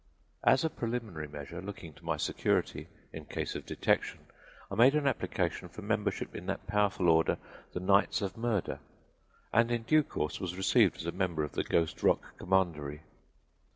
As a preliminary measure looking to my security in case of detection I made an application for membership in that powerful order, the Knights of Murder, and in due course was received as a member of the Ghost Rock commandery.